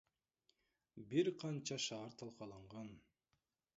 Бир канча шаар талкаланган.